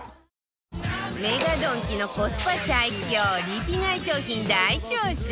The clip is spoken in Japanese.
ＭＥＧＡ ドンキのコスパ最強リピ買い商品大調査